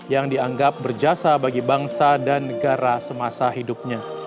yang dianggap berjasa bagi bangsa dan negara semasa hidupnya